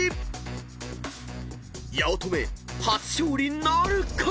［八乙女初勝利なるか⁉］